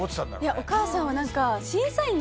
お母さんは何か。